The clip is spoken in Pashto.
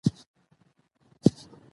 نو خود به خود به هغه قوم له منځه ځي.